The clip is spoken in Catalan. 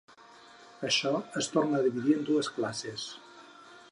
Això es torna a dividir en dues classes.